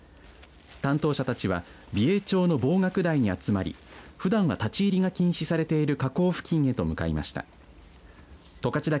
担当者たちは美瑛町の望岳台に集まりふだんは立ち入りが禁止されている火口付近へと向かいました。